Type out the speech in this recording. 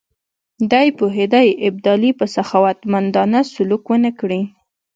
دی پوهېدی ابدالي به سخاوتمندانه سلوک ونه کړي.